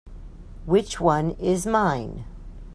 Which one is mine?